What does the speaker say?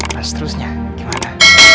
mas terusnya gimana